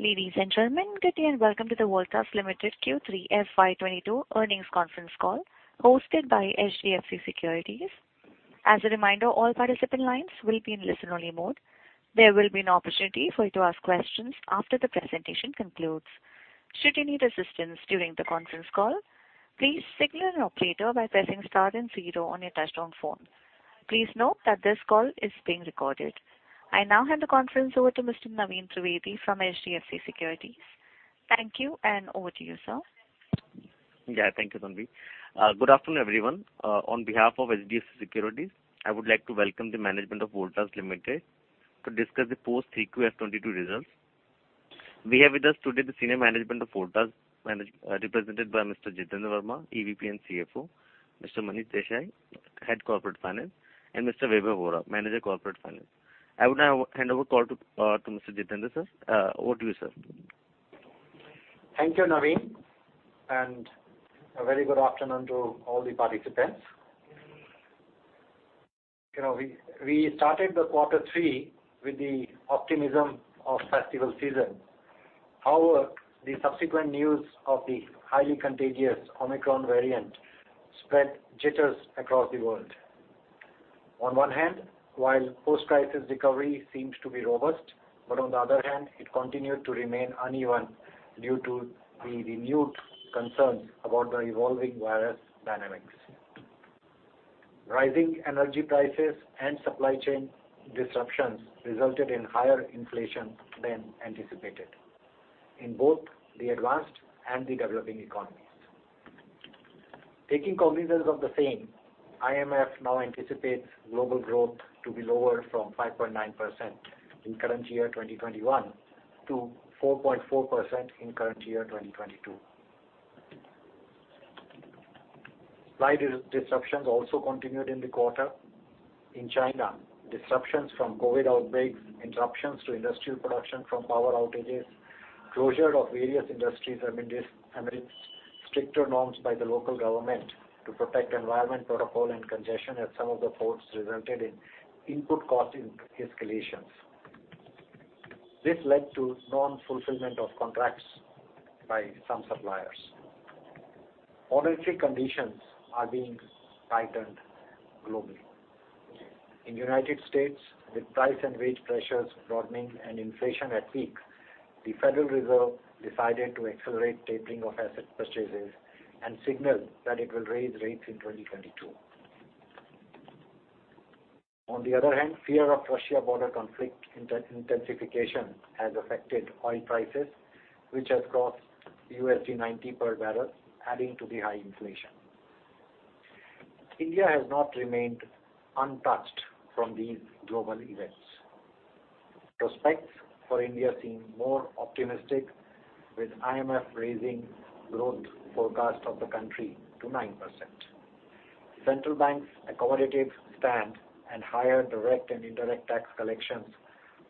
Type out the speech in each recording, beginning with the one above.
Ladies and gentlemen, good day and welcome to the Voltas Limited Q3 FY 2022 earnings conference call hosted by HDFC Securities. As a reminder, all participant lines will be in listen-only mode. There will be an opportunity for you to ask questions after the presentation concludes. Should you need assistance during the conference call, please signal an operator by pressing star and zero on your touchtone phone. Please note that this call is being recorded. I now hand the conference over to Mr. Naveen Trivedi from HDFC Securities. Thank you, and over to you, sir. Yeah, thank you, Tanvi. Good afternoon, everyone. On behalf of HDFC Securities, I would like to welcome the management of Voltas Limited to discuss the post-3Q FY 2022 results. We have with us today the senior management of Voltas, represented by Mr. Jitender Verma, EVP and CFO, Mr. Manish Desai, Head Corporate Finance, and Mr. Vaibhav Vora, Manager Corporate Finance. I would now hand over call to Mr. Jitender, sir. Over to you, sir. Thank you, Naveen, and a very good afternoon to all the participants. You know, we started the quarter three with the optimism of festival season. However, the subsequent news of the highly contagious Omicron variant spread jitters across the world. On one hand, while post-crisis recovery seems to be robust, but on the other hand, it continued to remain uneven due to the renewed concerns about the evolving virus dynamics. Rising energy prices and supply chain disruptions resulted in higher inflation than anticipated in both the advanced and the developing economies. Taking cognizance of the same, IMF now anticipates global growth to be lower from 5.9% in current year, 2021 to 4.4% in current year, 2022. Supply disruptions also continued in the quarter. In China, disruptions from COVID outbreaks, interruptions to industrial production from power outages, closure of various industries amidst stricter norms by the local government to protect environment protocol and congestion at some of the ports resulted in input cost escalations. This led to non-fulfillment of contracts by some suppliers. Monetary conditions are being tightened globally. In United States, with price and wage pressures broadening and inflation at peak, the Federal Reserve decided to accelerate tapering of asset purchases and signaled that it will raise rates in 2022. On the other hand, fear of Russia border conflict intensification has affected oil prices, which has crossed $90 per barrel, adding to the high inflation. India has not remained untouched from these global events. Prospects for India seem more optimistic with IMF raising growth forecast of the country to 9%. Central Bank's accommodative stand and higher direct and indirect tax collections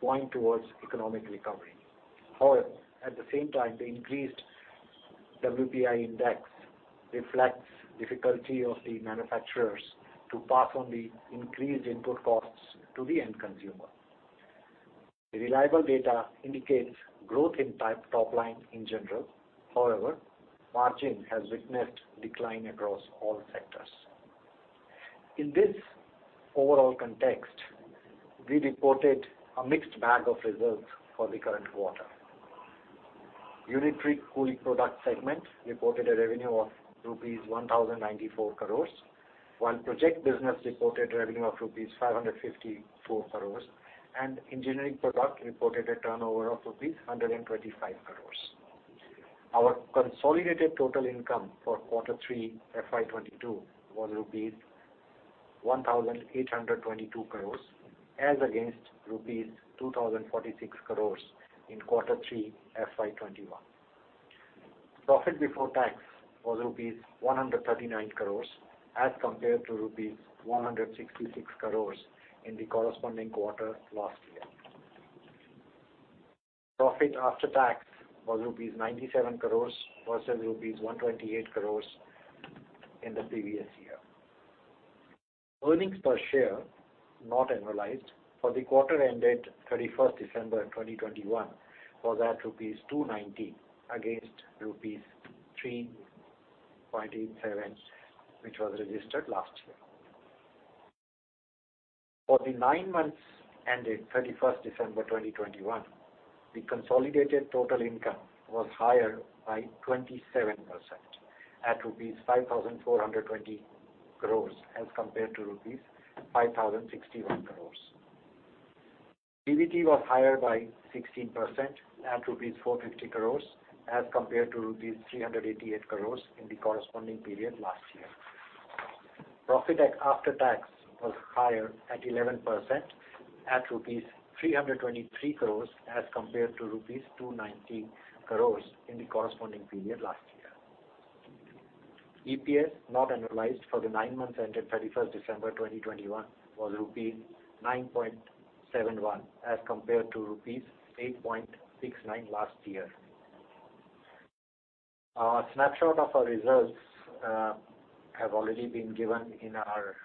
point towards economic recovery. However, at the same time, the increased WPI index reflects difficulty of the manufacturers to pass on the increased input costs to the end consumer. The reliable data indicates growth in the top line in general. However, margins have witnessed a decline across all sectors. In this overall context, we reported a mixed bag of results for the current quarter. Unitary Cooling Products segment reported a revenue of rupees 1,094 crores, while Projects business reported revenue of rupees 554 crores, and Engineering Products reported a turnover of rupees 125 crores. Our consolidated total income for quarter three, FY 2022 was rupees 1,822 crores as against rupees 2,046 crores in quarter three, FY 2021. Profit before tax was rupees 139 crores as compared to rupees 166 crores in the corresponding quarter last year. Profit after tax was rupees 97 crores versus rupees 128 crores in the previous year. Earnings per share, not annualized, for the quarter ended 31st December 2021 was at rupees 2.90 against rupees 3.87, which was registered last year. For the nine months ended 31st December 2021, the consolidated total income was higher by 27% at rupees 5,420 crores as compared to rupees 5,061 crores. PBT was higher by 16% at rupees 450 crores as compared to rupees 388 crores in the corresponding period last year. Profit after tax was higher at 11% at rupees 323 crores as compared to rupees 290 crores in the corresponding period last year. EPS, not annualized, for the nine months ended 31 December 2021 was rupees 9.71 as compared to rupees 8.69 last year. Our snapshot of our results have already been given in our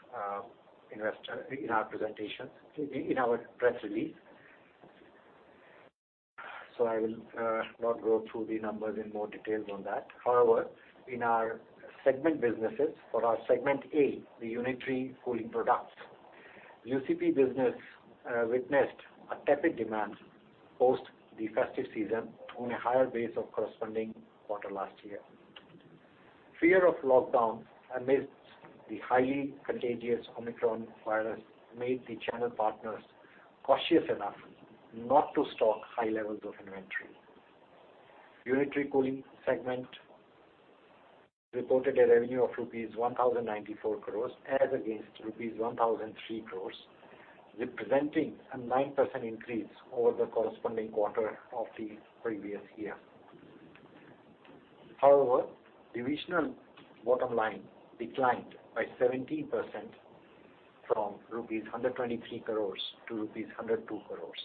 investor presentation in our press release. So I will not go through the numbers in more details on that. However, in our segment businesses, for our Segment A, the Unitary Cooling Products, UCP business, witnessed a tepid demand post the festive season on a higher base of corresponding quarter last year. Fear of lockdown amidst the highly contagious Omicron virus made the channel partners cautious enough not to stock high levels of inventory. Unitary Cooling segment reported a revenue of rupees 1,094 crores as against rupees 1,003 crores, representing a 9% increase over the corresponding quarter of the previous year. However, divisional bottom line declined by 17% from rupees 123 crores to rupees 102 crores,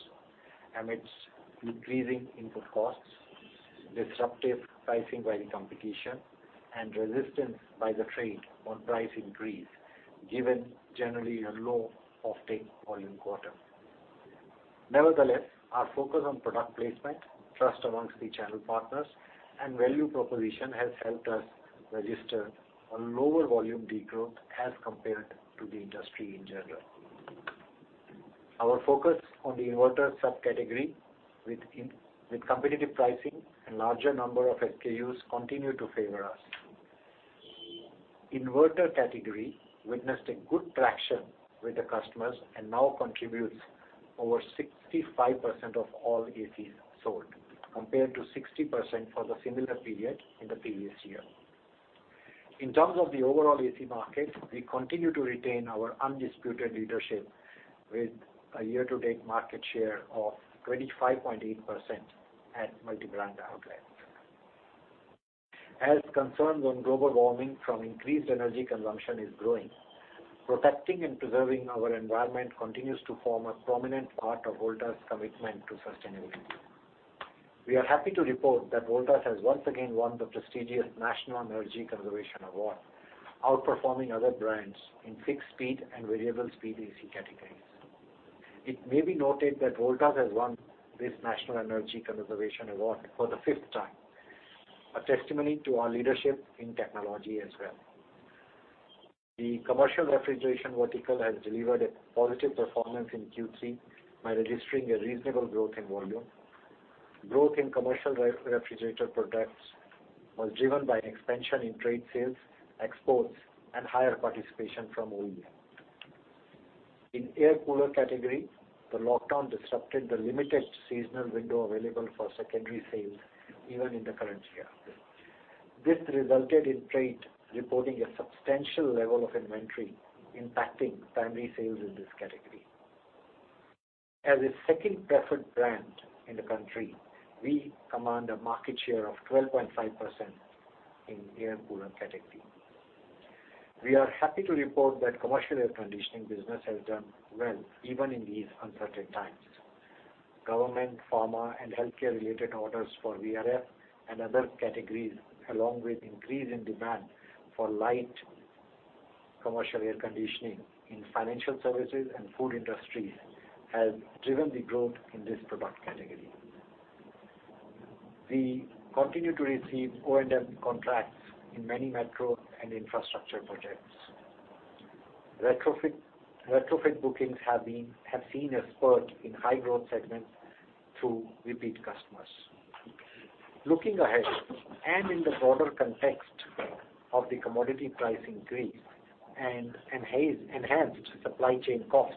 amidst increasing input costs, disruptive pricing by the competition, and resistance by the trade on price increase, given generally a low offtake volume quarter. Nevertheless, our focus on product placement, trust amongst the channel partners, and value proposition has helped us register a lower volume decrease as compared to the industry in general. Our focus on the inverter subcategory with competitive pricing and larger number of SKUs continue to favor us. Inverter category witnessed a good traction with the customers and now contributes over 65% of all ACs sold, compared to 60% for the similar period in the previous year. In terms of the overall AC market, we continue to retain our undisputed leadership with a year-to-date market share of 25.8% at multi-brand outlets. As concerns on global warming from increased energy consumption is growing, protecting and preserving our environment continues to form a prominent part of Voltas' commitment to sustainability. We are happy to report that Voltas has once again won the prestigious National Energy Conservation Award, outperforming other brands in fixed speed and variable speed AC categories. It may be noted that Voltas has won this National Energy Conservation Award for the fifth time, a testimony to our leadership in technology as well. The commercial refrigeration vertical has delivered a positive performance in Q3 by registering a reasonable growth in volume. Growth in commercial refrigerator products was driven by an expansion in trade sales, exports, and higher participation from OEM. In air cooler category, the lockdown disrupted the limited seasonal window available for secondary sales, even in the current year. This resulted in trade reporting a substantial level of inventory impacting primary sales in this category. As a second preferred brand in the country, we command a market share of 12.5% in air cooler category. We are happy to report that commercial air conditioning business has done well even in these uncertain times. Government, pharma, and healthcare related orders for VRF and other categories, along with increase in demand for light commercial air conditioning in financial services and food industries, has driven the growth in this product category. We continue to receive O&M contracts in many metro and infrastructure projects. Retrofit bookings have seen a spurt in high growth segments through repeat customers. Looking ahead, in the broader context of the commodity price increase and enhanced supply chain costs,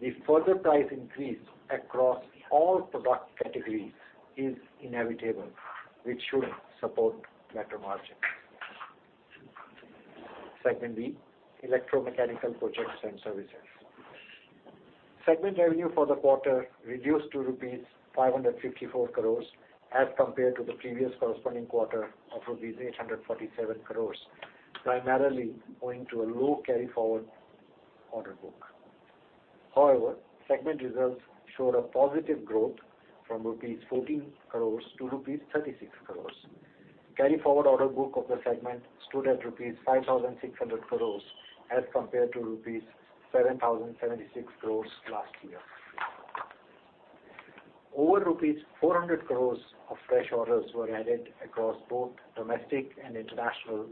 the further price increase across all product categories is inevitable, which should support better margins. Segment B, Electromechanical Projects and Services. Segment revenue for the quarter reduced to rupees 554 crores as compared to the previous corresponding quarter of rupees 847 crores, primarily owing to a low carry-forward order book. However, segment results showed a positive growth from 14 crores-36 crores rupees. Carry-forward order book of the segment stood at rupees 5,600 crores as compared to rupees 7,076 crores last year. Over rupees 400 crores of fresh orders were added across both domestic and international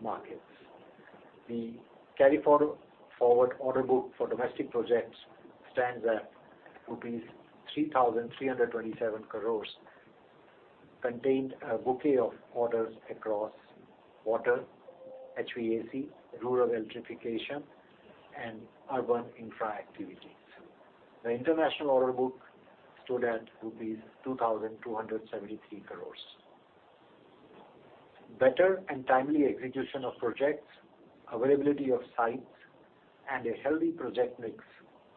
markets. The carry forward order book for domestic projects stands at rupees 3,327 crores, containing a bouquet of orders across water, HVAC, rural electrification, and urban infra activities. The international order book stood at rupees 2,273 crores. Better and timely execution of projects, availability of sites, and a healthy project mix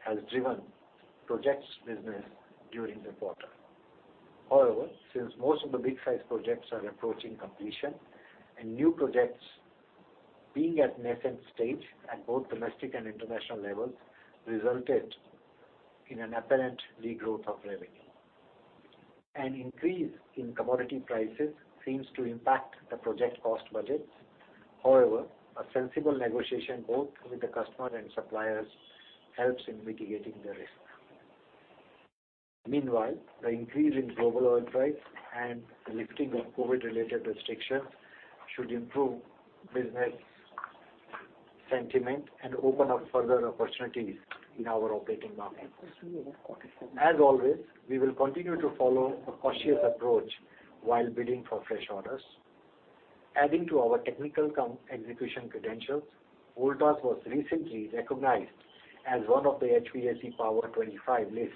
has driven projects business during the quarter. However, since most of the big size projects are approaching completion and new projects being at nascent stage at both domestic and international levels resulted in an apparent low growth of revenue. An increase in commodity prices seems to impact the project cost budgets. However, a sensible negotiation both with the customer and suppliers helps in mitigating the risk. Meanwhile, the increase in global oil price and the lifting of COVID-related restrictions should improve business sentiment and open up further opportunities in our operating markets. As always, we will continue to follow a cautious approach while bidding for fresh orders. Adding to our technical execution credentials, Voltas was recently recognized as one of the HVAC Power 25 list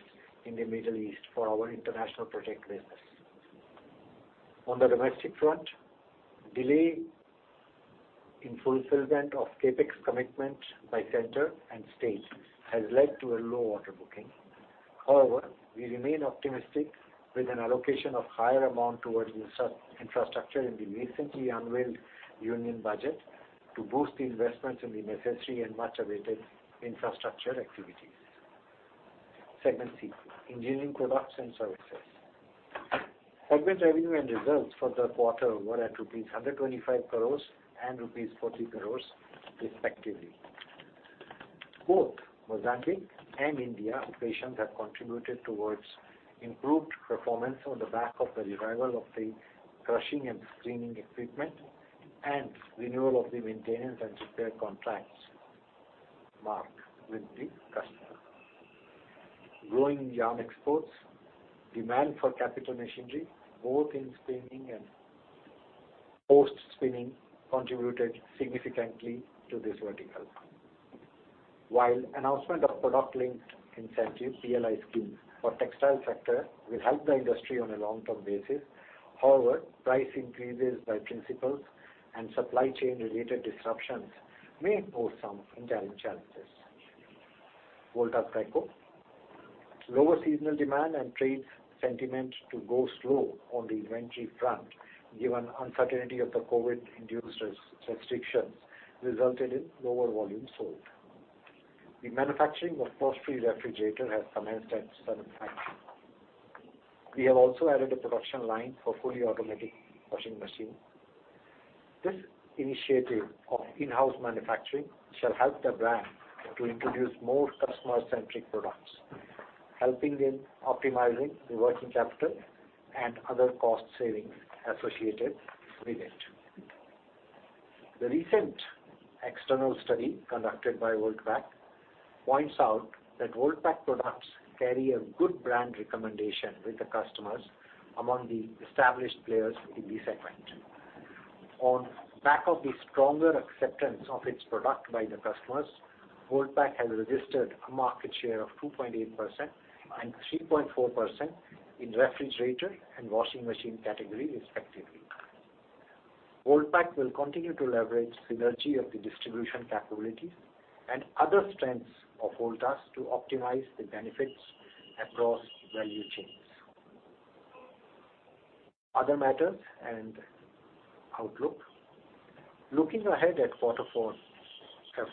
in the Middle East for our international project business. On the domestic front, delay in fulfillment of CapEx commitment by center and state has led to a low order booking. However, we remain optimistic with an allocation of higher amount towards infrastructure in the recently unveiled Union Budget to boost the investments in the necessary and much-awaited infrastructure activities. Segment C, Engineering Products and Services. Segment revenue and results for the quarter were at rupees 125 crores and rupees 40 crores, respectively. Both Mozambique and India operations have contributed towards improved performance on the back of the revival of the crushing and screening equipment and renewal of the maintenance and repair contracts made with the customer. Growing yarn exports, demand for capital machinery, both in spinning and post-spinning, contributed significantly to this vertical. While the announcement of the production linked incentive PLI scheme for the textile sector will help the industry on a long-term basis. However, price increases by principals and supply chain related disruptions may pose some inherent challenges. Voltas white goods. Lower seasonal demand and trade sentiment to go slow on the inventory front, given uncertainty of the COVID-induced restrictions, resulted in lower volume sold. The manufacturing of frost free refrigerator has commenced at certain factory. We have also added a production line for fully automatic washing machine. This initiative of in-house manufacturing shall help the brand to introduce more customer-centric products, helping in optimizing the working capital and other cost savings associated with it. The recent external study conducted by Voltas Beko points out that Voltas Beko products carry a good brand recommendation with the customers among the established players in the segment. On the back of the stronger acceptance of its product by the customers, Voltas Beko has registered a market share of 2.8% and 3.4% in refrigerator and washing machine category, respectively. Voltas Beko will continue to leverage synergy of the distribution capabilities and other strengths of Voltas to optimize the benefits across value chains. Other matters and outlook. Looking ahead at Q4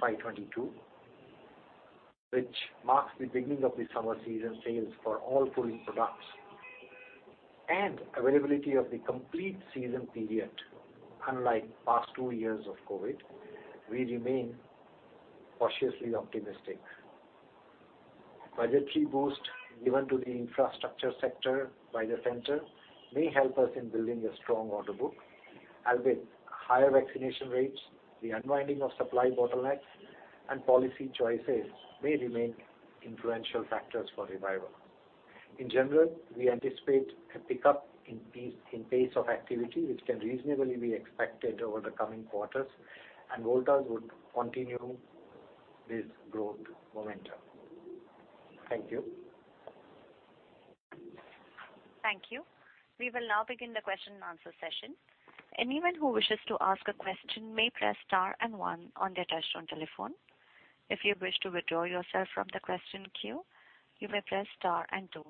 FY 2022, which marks the beginning of the summer season sales for all cooling products, and availability of the complete season period, unlike past two years of COVID, we remain cautiously optimistic. Budgetary boost given to the infrastructure sector by the center may help us in building a strong order book, as with higher vaccination rates, the unwinding of supply bottlenecks and policy choices may remain influential factors for revival. In general, we anticipate a pickup in pace of activity, which can reasonably be expected over the coming quarters, and Voltas would continue this growth momentum. Thank you. Thank you. We will now begin the question and answer session. Anyone who wishes to ask a question may press star and one on their touchtone telephone. If you wish to withdraw yourself from the question queue, you may press star and two.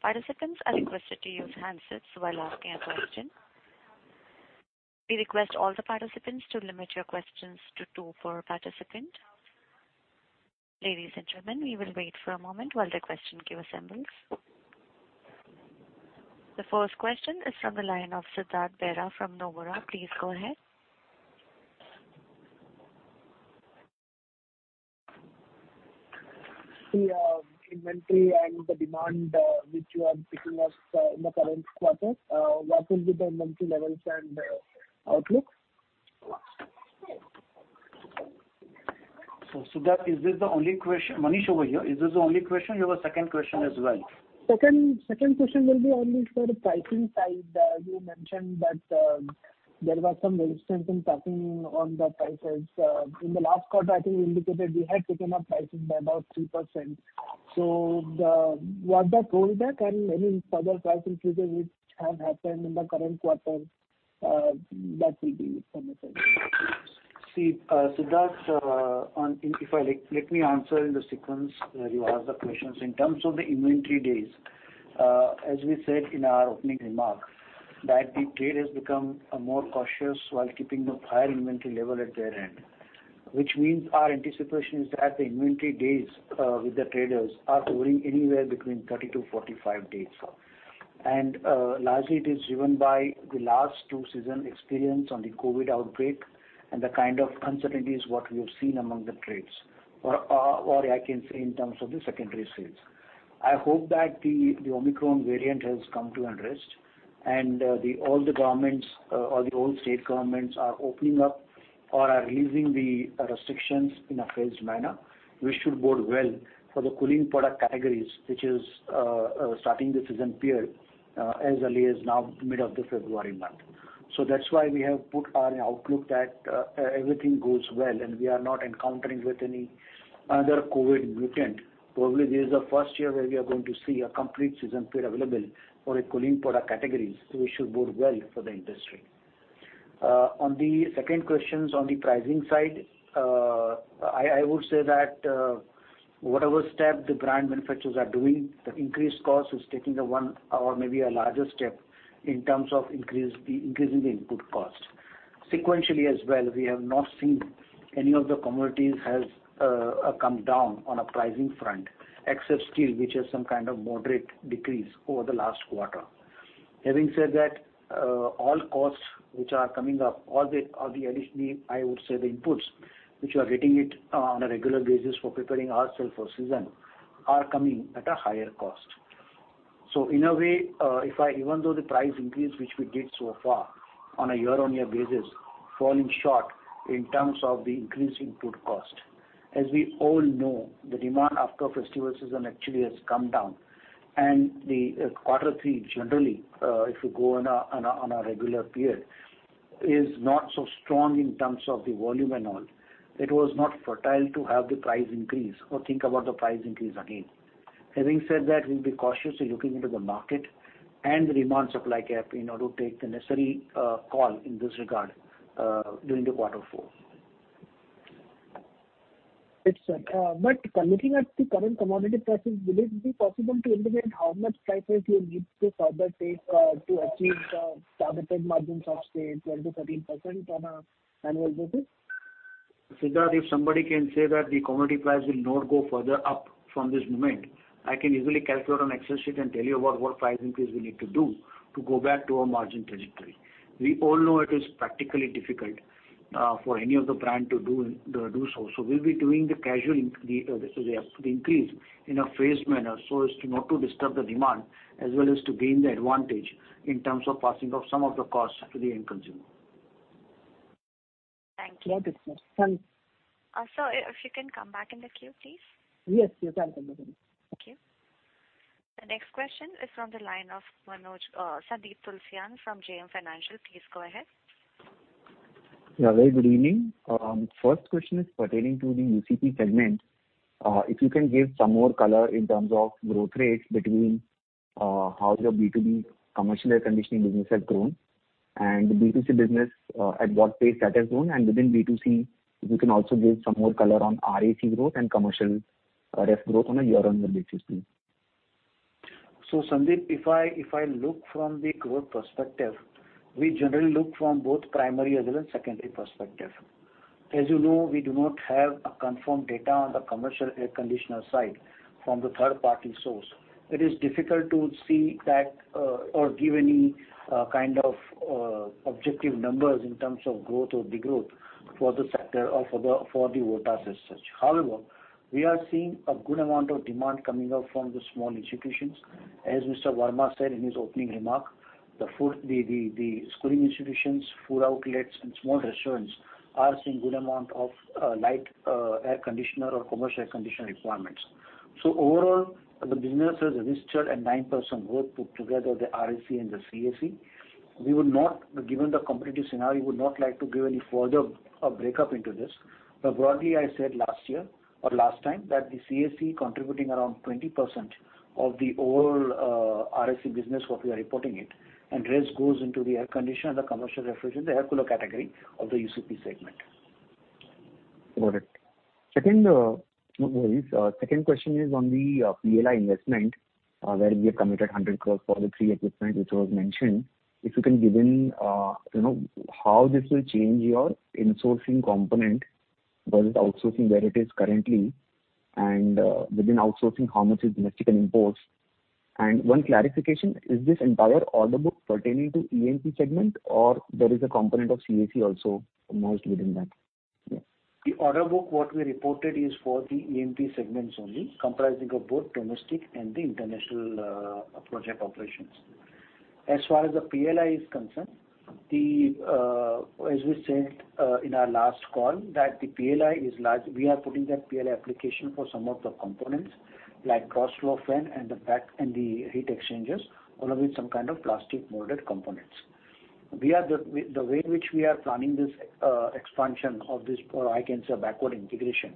Participants are requested to use handsets while asking a question. We request all the participants to limit your questions to two per participant. Ladies and gentlemen, we will wait for a moment while the question queue assembles. The first question is from the line of Siddhartha Bera from Nomura. Please go ahead. The inventory and the demand, which you are picking up, in the current quarter, what will be the inventory levels and outlook? Siddhartha, is this the only question? Manish over here. Is this the only question? You have a second question as well. Second question will be only for the pricing side. You mentioned that there was some resistance in passing on the prices. In the last quarter, I think you indicated you had taken up pricing by about 3%. Was that rolled back and any further price increases which have happened in the current quarter, that will be from the side. See, Siddharth, let me answer in the sequence that you asked the questions. In terms of the inventory days- As we said in our opening remark, that the trade has become more cautious while keeping the higher inventory level at their end. Which means our anticipation is that the inventory days with the traders are going anywhere between 30-45 days. Largely, it is driven by the last two season experience on the COVID outbreak and the kind of uncertainties what we have seen among the trades, or I can say in terms of the secondary sales. I hope that the Omicron variant has come to an end, and all the governments or all state governments are opening up or are releasing the restrictions in a phased manner, which should bode well for the cooling product categories, which is starting the season period as early as mid-February now. That's why we have put our outlook that everything goes well, and we are not encountering with any other COVID mutant. Probably this is the first year where we are going to see a complete season period available for the cooling product categories, which should bode well for the industry. On the second questions on the pricing side, I would say that whatever step the brand manufacturers are doing, the increased cost is taking a one or maybe a larger step in terms of increasing the input cost. Sequentially as well, we have not seen any of the commodities has come down on a pricing front, except steel, which has some kind of moderate decrease over the last quarter. Having said that, all costs which are coming up. I would say the inputs which we are getting on a regular basis for preparing ourselves for season are coming at a higher cost. In a way, even though the price increase which we did so far on a year-on-year basis falling short in terms of the increased input cost. As we all know, the demand after festival season actually has come down, and the quarter three generally, if you go on a regular period, is not so strong in terms of the volume and all. It was not feasible to have the price increase or think about the price increase again. Having said that, we'll be cautiously looking into the market and the demand supply gap in order to take the necessary call in this regard during the quarter four. Yes, sir. Looking at the current commodity prices, will it be possible to intimate how much price rise you'll need to further take to achieve targeted margins of, say, 12%-13% on an annual basis? Siddharth, if somebody can say that the commodity price will not go further up from this moment, I can easily calculate on Excel sheet and tell you what price increase we need to do to go back to our margin trajectory. We all know it is practically difficult for any of the brand to do so. We'll be doing the increase in a phased manner so as to not to disturb the demand, as well as to gain the advantage in terms of passing of some of the costs to the end consumer. Thank you. No problem. Thanks. Uh, sir, if you can come back in the queue, please. Yes, you're welcome, madam. Thank you. The next question is from the line of Sandeep Tulsiyan from JM Financial. Please go ahead. Yeah. Very good evening. First question is pertaining to the UCP segment. If you can give some more color in terms of growth rates between how your B2B commercial air conditioning business has grown and the B2C business at what pace that has grown, and within B2C, if you can also give some more color on RAC growth and commercial ref growth on a year-on-year basis, please. Sandeep, if I look from the growth perspective, we generally look from both primary as well as secondary perspective. As you know, we do not have a confirmed data on the commercial air conditioner side from the third party source. It is difficult to see that or give any kind of objective numbers in terms of growth or degrowth for the sector or for the Voltas as such. However, we are seeing a good amount of demand coming up from the small institutions. As Mr. Varma said in his opening remark, the schooling institutions, food outlets, and small restaurants are seeing good amount of light air conditioner or commercial air conditioner requirements. Overall, the business has registered a 9% growth put together the RAC and the CAC. We would not, given the competitive scenario, like to give any further breakdown into this. Broadly, I said last year or last time that the CAC contributing around 20% of the overall RAC business what we are reporting it, and rest goes into the air conditioning and the commercial refrigeration, the air cooler category of the UCP segment. Got it. Mohit, second question is on the PLI investment, where we have committed 100 crores for the three equipment which was mentioned. If you can give any, you know, how this will change your insourcing component versus outsourcing, where it is currently, and within outsourcing, how much is domestic and imports? One clarification, is this entire order book pertaining to EMP segment or there is a component of CAC also merged within that? Yeah. The order book what we reported is for the EMP segments only, comprising of both domestic and the international project operations. As far as the PLI is concerned, the, as we said, in our last call that the PLI is large, we are putting that PLI application for some of the components like cross-flow fan and the pack and the heat exchangers, all of it some kind of plastic molded components. The way in which we are planning this expansion of this, or I can say backward integration,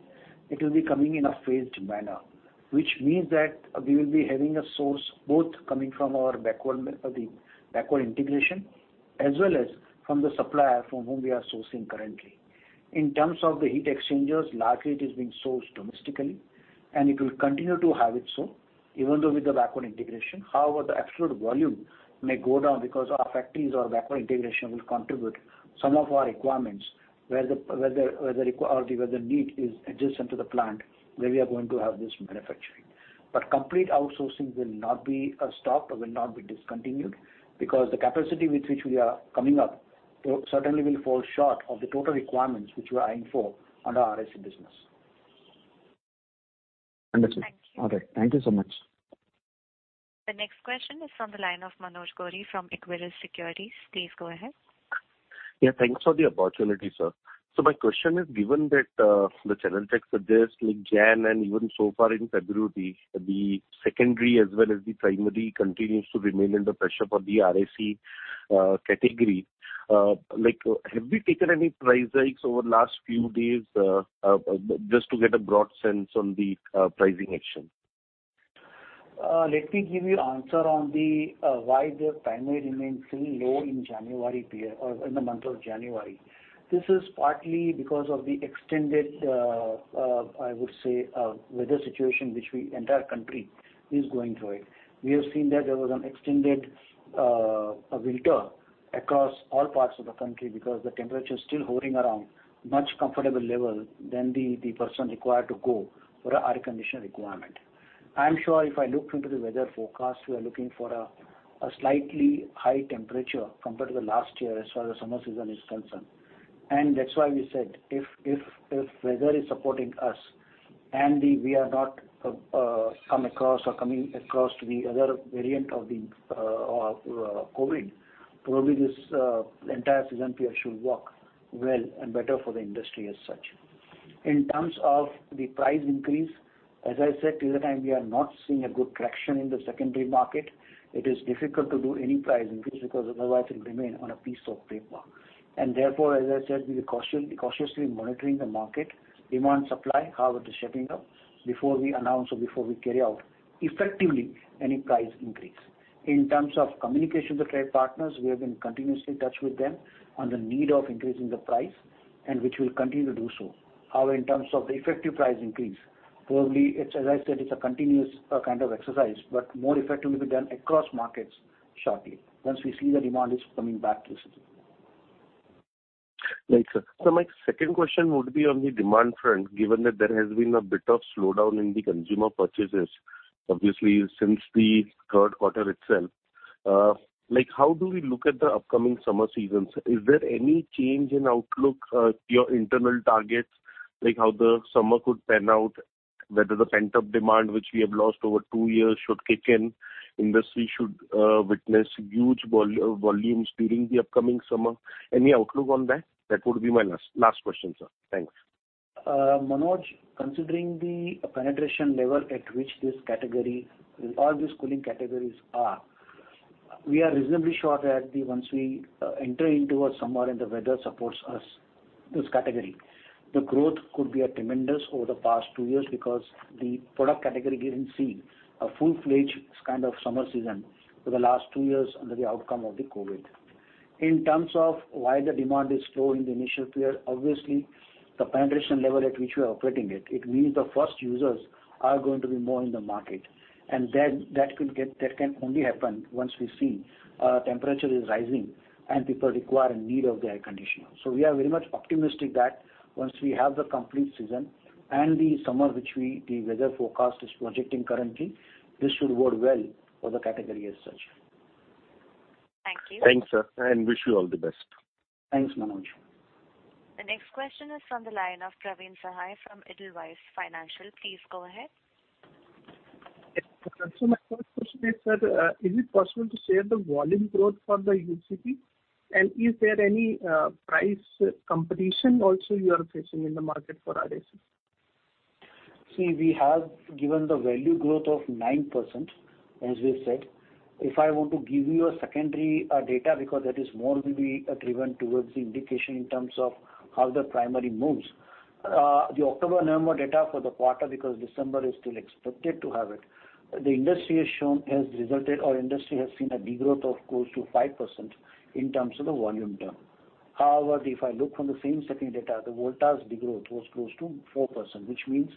it will be coming in a phased manner, which means that we will be having a source both coming from our backward, the backward integration as well as from the supplier from whom we are sourcing currently. In terms of the heat exchangers, largely it is being sourced domestically, and it will continue to have it so, even though with the backward integration. However, the absolute volume may go down because our factories or backward integration will contribute some of our requirements where the need is adjacent to the plant where we are going to have this manufacturing. Complete outsourcing will not be stopped or will not be discontinued because the capacity with which we are coming up certainly will fall short of the total requirements which we are eyeing for under RAC business. Understood. Thank you. All right. Thank you so much. The next question is from the line of Manoj Gori from Equirus Securities. Please go ahead. Yeah, thanks for the opportunity, sir. My question is, given that, the channel checks suggest like January and even so far in February, the secondary as well as the primary continues to remain under pressure for the RAC category, like have you taken any price hikes over the last few days, just to get a broad sense on the pricing action? Let me give you an answer on why the primary remains still low in January period or in the month of January. This is partly because of the extended weather situation, I would say, which the entire country is going through. We have seen that there was an extended winter across all parts of the country because the temperature is still hovering around much comfortable level than the one required to go for an air conditioner requirement. I am sure if I look into the weather forecast, we are looking for a slightly higher temperature compared to last year as far as the summer season is concerned. That's why we said if weather is supporting us and we have not come across or coming across to the other variant of the COVID, probably this entire season period should work well and better for the industry as such. In terms of the price increase, as I said, till the time we are not seeing a good correction in the secondary market, it is difficult to do any price increase because otherwise it will remain on a piece of paper. Therefore, as I said, we'll be cautiously monitoring the market, demand, supply, how it is shaping up before we announce or before we carry out effectively any price increase. In terms of communication with trade partners, we have been continuously in touch with them on the need of increasing the price and which we'll continue to do so. However, in terms of the effective price increase, probably it's, as I said, it's a continuous, kind of exercise, but more effectively be done across markets shortly once we see the demand is coming back to season. Right, sir. My second question would be on the demand front, given that there has been a bit of slowdown in the consumer purchases, obviously since the third quarter itself. Like how do we look at the upcoming summer seasons? Is there any change in outlook, your internal targets, like how the summer could pan out? Whether the pent-up demand which we have lost over two years should kick in, industry should witness huge volumes during the upcoming summer. Any outlook on that? That would be my last question, sir. Thanks. Manoj, considering the penetration level at which this category, all these cooling categories are, we are reasonably sure that once we enter into a summer and the weather supports us, this category, the growth could be tremendous over the past two years because the product category didn't see a full-fledged kind of summer season for the last two years under the outcome of the COVID. In terms of why the demand is slow in the initial period, obviously the penetration level at which we are operating it means the first users are going to be more in the market. Then that can only happen once we see temperature is rising and people require a need of the air conditioner. We are very much optimistic that once we have the complete season and the summer which we, the weather forecast is projecting currently, this should work well for the category as such. Thank you. Thanks, sir, and wish you all the best. Thanks, Manoj. The next question is from the line of Praveen Sahay from Edelweiss Financial. Please go ahead. Yes. My first question is, sir, is it possible to share the volume growth for the UCP? And is there any price competition also you are facing in the market for RAC? See, we have given the value growth of 9%, as we have said. If I want to give you a secondary data, because that is more reliable driven towards the indication in terms of how the primary moves, the October-November data for the quarter, because December is still expected to have it, the industry has seen a degrowth of close to 5% in terms of the volume term. However, if I look at the same secondary data, the Voltas degrowth was close to 4%, which means,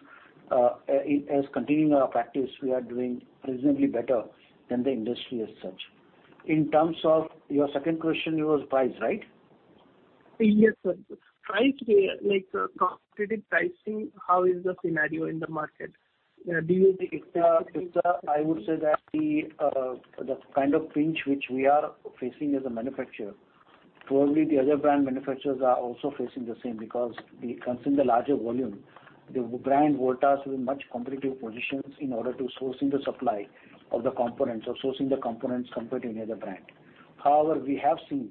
as continuing our practice, we are doing reasonably better than the industry as such. In terms of your second question, it was price, right? Yes, sir. Price, like competitive pricing, how is the scenario in the market? Do you expect- I would say that the kind of pinch which we are facing as a manufacturer, probably the other brand manufacturers are also facing the same because we consume the larger volume. The brand Voltas is in much competitive positions in order to sourcing the supply of the components compared to any other brand. However, we have seen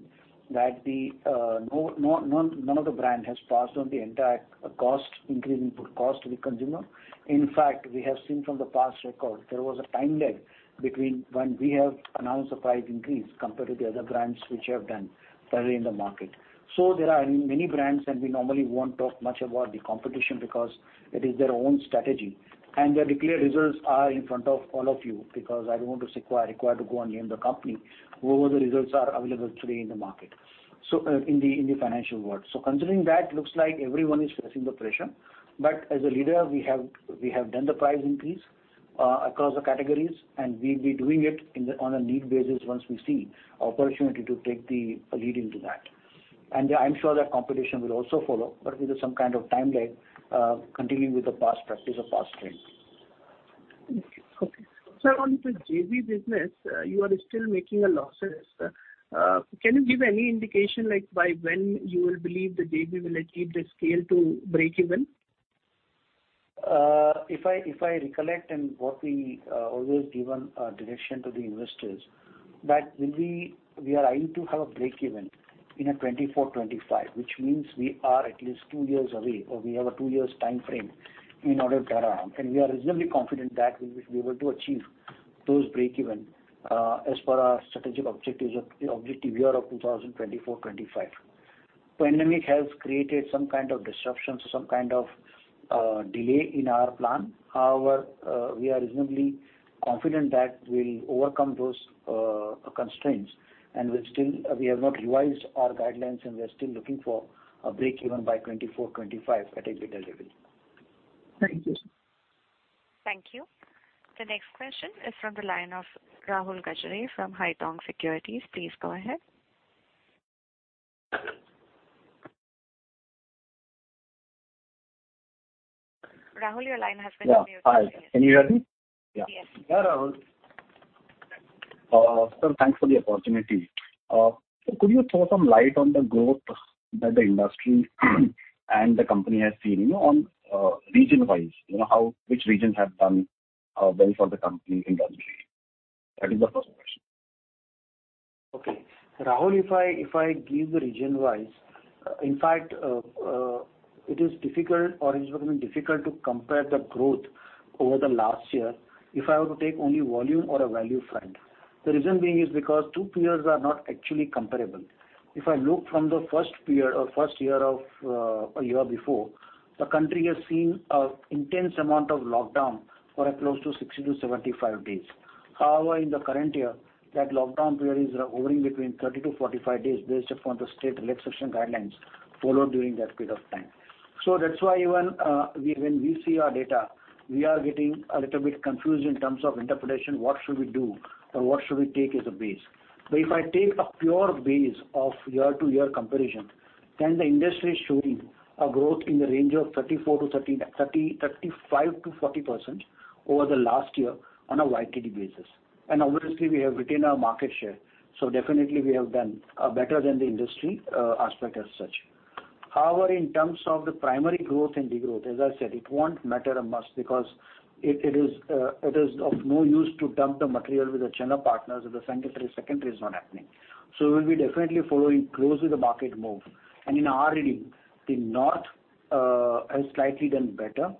that none of the brand has passed on the entire cost increase, input cost to the consumer. In fact, we have seen from the past record, there was a time lag between when we have announced the price increase compared to the other brands which have done fairly in the market. There are many brands, and we normally won't talk much about the competition because it is their own strategy, and their declared results are in front of all of you because I don't want to require to go and name the company. All the results are available today in the market, so in the financial world. Considering that, it looks like everyone is facing the pressure. As a leader, we have done the price increase across the categories, and we'll be doing it on a need basis once we see opportunity to take the lead into that. I'm sure that competition will also follow, but with some kind of timeline, continuing with the past practice of past trends. Okay. On the JV business, you are still making losses. Can you give any indication like by when you believe the JV will achieve the scale to breakeven? If I recollect and what we always given direction to the investors, that will be we are eyeing to have a breakeven in 2024-25, which means we are at least two years away or we have a two years timeframe in order to turn around. We are reasonably confident that we will be able to achieve those breakeven as per our strategic objectives of the objective year of 2024-25. Pandemic has created some kind of disruptions, some kind of delay in our plan. However, we are reasonably confident that we'll overcome those constraints, and we have not revised our guidelines, and we are still looking for a breakeven by 2024-25 at a EBITDA level. Thank you, sir. Thank you. The next question is from the line of Rahul Gajare from Haitong Securities. Please go ahead. Rahul, your line has been unmuted. Yeah. Hi. Can you hear me? Yes. Yeah, Rahul. Sir, thanks for the opportunity. Could you throw some light on the growth that the industry and the company has seen, you know, on region-wise? You know, which regions have done well for the company and industry? That is the first question. Okay. Rahul, if I give the region-wise, in fact, it is difficult or it is becoming difficult to compare the growth over the last year if I were to take only volume or a value front. The reason being is because two periods are not actually comparable. If I look from the first period or first year of a year before, the country has seen an intense amount of lockdown for close to 60-75 days. However, in the current year, that lockdown period is hovering between 30-45 days based upon the state relaxation guidelines followed during that period of time. That's why even we, when we see our data, we are getting a little bit confused in terms of interpretation, what should we do or what should we take as a base? If I take a pure base of year-to-year comparison, then the industry is showing a growth in the range of 34% to 30%, 35% to 40% over the last year on a YTD basis. Obviously we have retained our market share, so definitely we have done better than the industry aspect as such. However, in terms of the primary growth and degrowth, as I said, it won't matter much because it is of no use to dump the material with the channel partners if the secondary is not happening. We'll be definitely following close with the market move. In our reading, the north has slightly done better,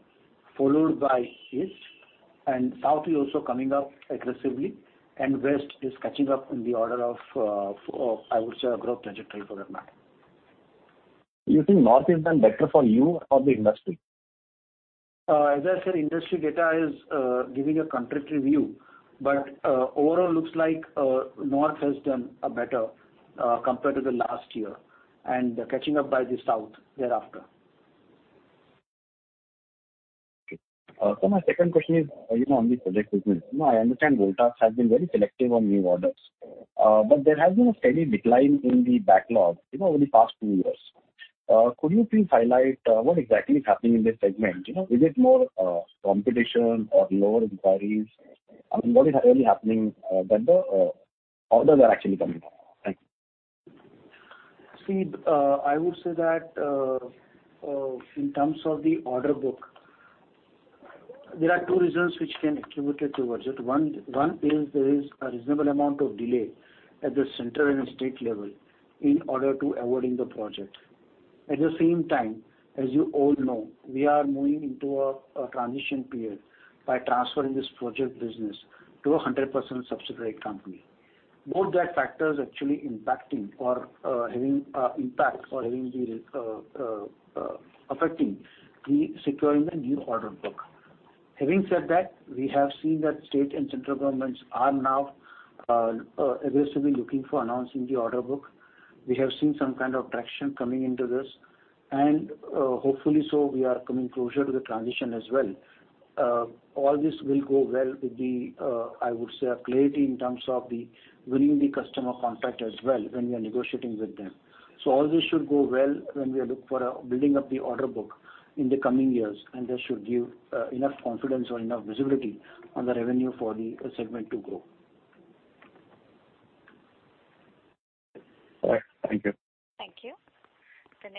followed by east, and south is also coming up aggressively, and west is catching up in the order of, I would say a growth trajectory for that matter. You think north has done better for you or the industry? As I said, industry data is giving a contradictory view. Overall looks like north has done better compared to the last year and catching up by the south thereafter. Okay. My second question is, you know, on the project business. You know, I understand Voltas has been very selective on new orders, but there has been a steady decline in the backlog, you know, over the past two years. Could you please highlight what exactly is happening in this segment? You know, is it more competition or lower inquiries? I mean, what is really happening that the orders are actually coming down? Thank you. See, I would say that in terms of the order book, there are two reasons which can attribute it towards it. One is there is a reasonable amount of delay at the center and state level in order to awarding the project. At the same time, as you all know, we are moving into a transition period by transferring this project business to a 100% subsidiary company. Both that factors actually affecting the securing the new order book. Having said that, we have seen that state and central governments are now aggressively looking for announcing the order book. We have seen some kind of traction coming into this, and hopefully so we are coming closer to the transition as well. All this will go well with the, I would say, a clarity in terms of winning the customer contract as well when we are negotiating with them. All this should go well when we look for building up the order book in the coming years, and that should give enough confidence or enough visibility on the revenue for the segment to grow.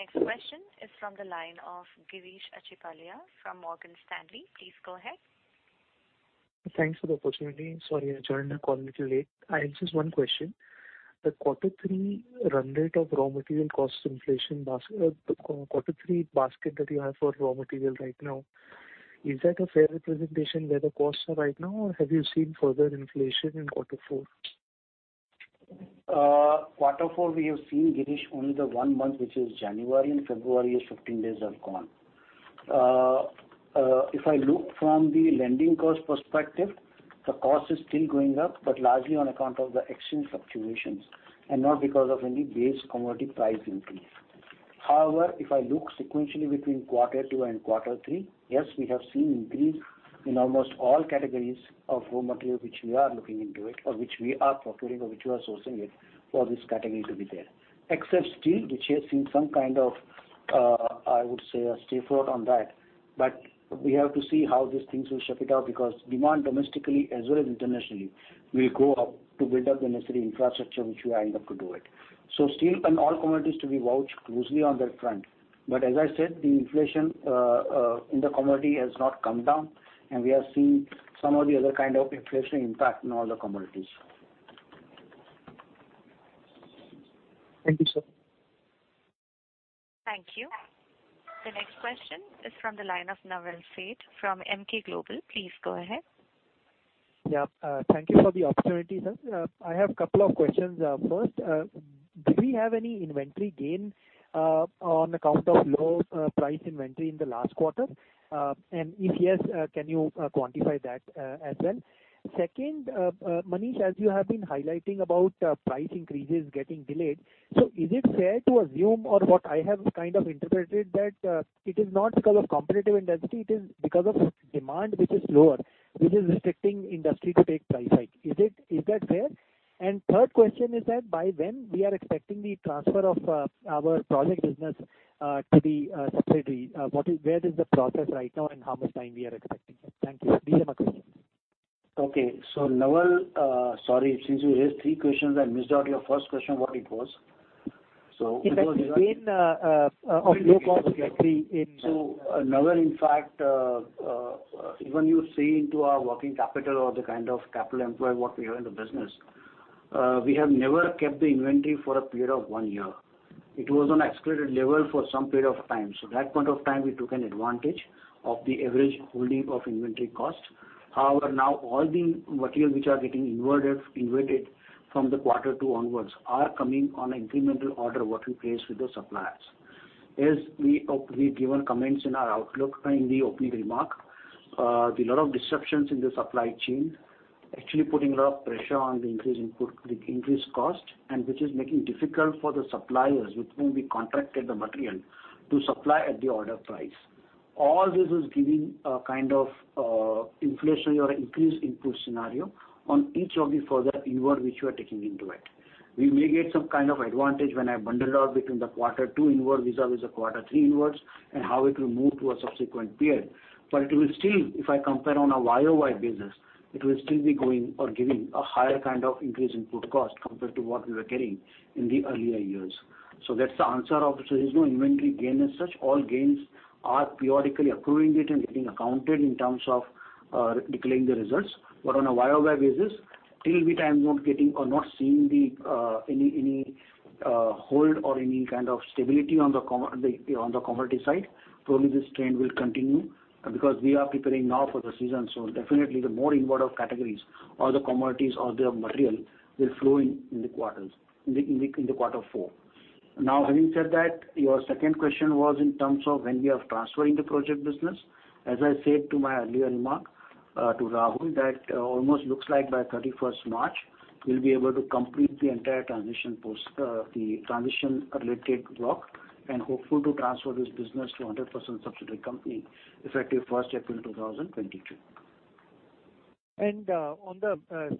All right. Thank you. Thank you. The next question is from the line of Girish Achhipalia from Morgan Stanley. Please go ahead. Thanks for the opportunity. Sorry, I joined the call a little late. I have just one question. The quarter three run rate of raw material cost inflation, the quarter three basket that you have for raw material right now, is that a fair representation where the costs are right now, or have you seen further inflation in quarter four? Quarter four, we have seen, Girish, only the one month, which is January, and February is 15 days have gone. If I look from the landed cost perspective, the cost is still going up, but largely on account of the exchange fluctuations and not because of any base commodity price increase. However, if I look sequentially between quarter two and quarter three, yes, we have seen increase in almost all categories of raw material which we are looking into or which we are procuring or which we are sourcing for this category to be there. Except steel, which has seen some kind of, I would say a stay put on that. We have to see how these things will shape it out because demand domestically as well as internationally will go up to build up the necessary infrastructure which we are aimed up to do it. Steel and all commodities to be watched closely on that front. As I said, the inflation in the commodity has not come down, and we have seen some of the other kind of inflation impact in all the commodities. Thank you, sir. Thank you. The next question is from the line of Naval Seth from Emkay Global. Please go ahead. Yeah, thank you for the opportunity, sir. I have a couple of questions. First, do we have any inventory gain on account of low price inventory in the last quarter? And if yes, can you quantify that as well? Second, Manish, as you have been highlighting about price increases getting delayed, so is it fair to assume or what I have kind of interpreted that it is not because of competitive intensity, it is because of demand which is lower, which is restricting industry to take price hike. Is that fair? Third question is that by when we are expecting the transfer of our project business to the subsidiary. Where is the process right now, and how much time we are expecting it? Thank you, sir. These are my questions. Okay. Naval, sorry, since you raised three questions, I missed out your first question, what it was? So If that's gain of low cost inventory in- Naval, in fact, when you see into our working capital or the kind of capital employed what we have in the business, we have never kept the inventory for a period of one year. It was on accelerated level for some period of time. That point of time we took an advantage of the average holding of inventory costs. However, now all the materials which are getting imported from Q2 onwards are coming on incremental orders that we place with the suppliers. As we've given comments in our outlook in the opening remarks, there are a lot of disruptions in the supply chain actually putting a lot of pressure on the increased input costs, and which is making it difficult for the suppliers with whom we contracted the material to supply at the order price. All this is giving a kind of inflationary or increased input scenario on each of the further inward which we are taking into it. We may get some kind of advantage when I bundle it out between the quarter two inward vis-à-vis the quarter three inwards and how it will move to a subsequent period. It will still, if I compare on a YoY basis, it will still be going or giving a higher kind of increase in input cost compared to what we were getting in the earlier years. That's the answer. There's no inventory gain as such. All gains are periodically accruing it and getting accounted in terms of declaring the results. On a YoY basis, till the time I'm not getting or not seeing any hold or any kind of stability on the commodity side, probably this trend will continue, because we are preparing now for the season. Definitely the more inward of categories or the commodities or their material will flow in in the quarter four. Now, having said that, your second question was in terms of when we are transferring the project business. As I said in my earlier remark to Rahul, that almost looks like by 31st March we'll be able to complete the entire transition post the transition related work and hopeful to transfer this business to 100% subsidiary company effective 1st April 2022. On the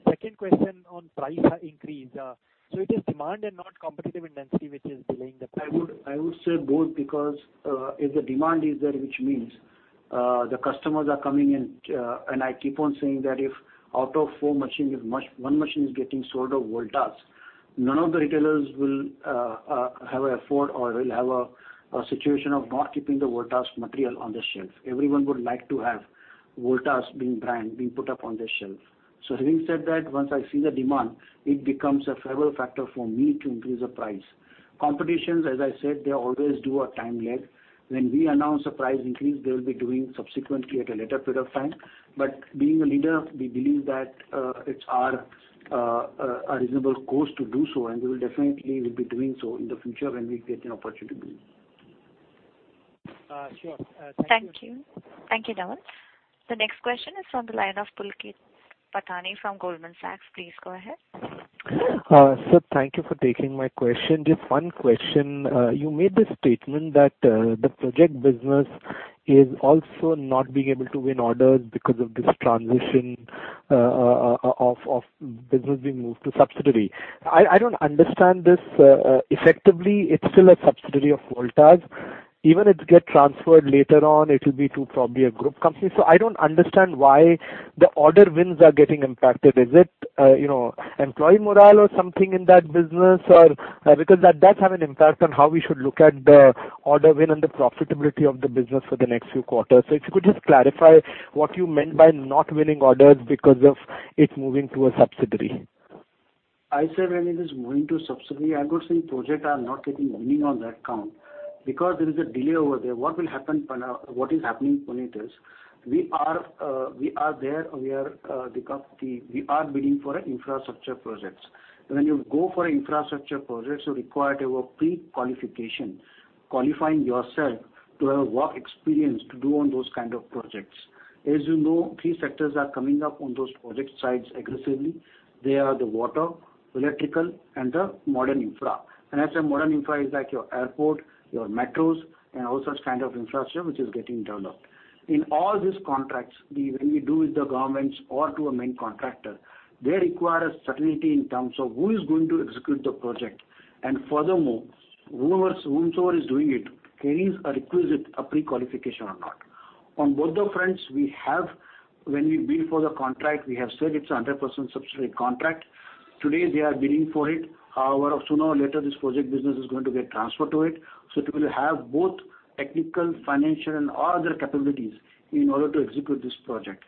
second question on price increase, so it is demand and not competitive intensity which is delaying the price? I would say both because if the demand is there, which means the customers are coming in, and I keep on saying that if out of four machines, one machine is getting sold of Voltas, none of the retailers will have a situation of not keeping the Voltas material on the shelf. Everyone would like to have Voltas being the brand, being put up on their shelf. Having said that, once I see the demand, it becomes a favorable factor for me to increase the price. Competitors, as I said, they always have a time lag. When we announce a price increase, they'll be doing subsequently at a later period of time. Being a leader, we believe that it's our reasonable course to do so, and we will definitely be doing so in the future when we get an opportunity. Sure. Thank you. Thank you. Thank you, Naval. The next question is from the line of Pulkit Patni from Goldman Sachs. Please go ahead. Sir, thank you for taking my question. Just one question. You made the statement that the project business is also not being able to win orders because of this transition of business being moved to subsidiary. I don't understand this. Effectively, it's still a subsidiary of Voltas. Even if it gets transferred later on, it will be to probably a group company. I don't understand why the order wins are getting impacted. Is it, you know, employee morale or something in that business? Because that does have an impact on how we should look at the order win and the profitability of the business for the next few quarters. If you could just clarify what you meant by not winning orders because of it moving to a subsidiary. I said when it is moving to a subsidiary, I'm not saying projects are not getting winning on that count. Because there is a delay over there, what will happen for now, what is happening for it is we are there. We are bidding for infrastructure projects. When you go for infrastructure projects, you require to have a pre-qualification, qualifying yourself to have work experience to do on those kind of projects. As you know, three sectors are coming up on those project sites aggressively. They are the water, electrical, and the modern infra. I say modern infra is like your airport, your metros, and all such kind of infrastructure which is getting developed. In all these contracts we really do with the governments or to a main contractor, they require a certainty in terms of who is going to execute the project, and furthermore, whoever whomsoever is doing it carries a requisite, a prequalification or not. On both the fronts, we have when we bid for the contract, we have said it's a 100% subsidiary contract. Today, they are bidding for it. However, sooner or later, this project business is going to get transferred to it, so it will have both technical, financial, and all other capabilities in order to execute this project.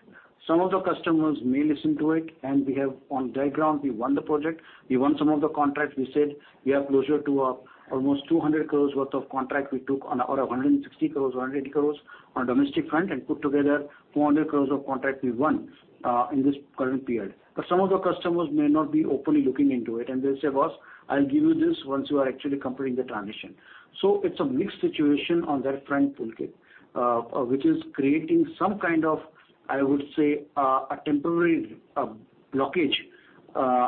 Some of the customers may listen to it, and we have on their ground, we won the project. We won some of the contracts. We said we are closer to almost 200 crores worth of contract we took on, or 160 crores or 100 crores on domestic front, and put together 400 crores of contract we won in this current period. But some of the customers may not be openly looking into it, and they'll say, "Boss, I'll give you this once you are actually completing the transition." It's a mixed situation on that front, Pulkit, which is creating some kind of, I would say, a temporary blockage